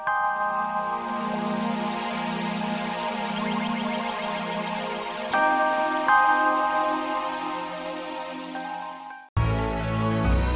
aku ingin menikah dengan kamu